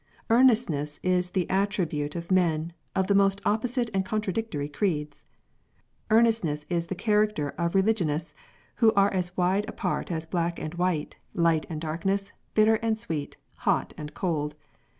" Earnestness " is the attribute of men of the most opposite and contradictory creeds. " Earnest ness is the character of religionists who are as wide apart as black and white, light and darkness, bitter and sweet, hot and cold.